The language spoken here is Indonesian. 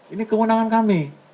ini kewenangan kami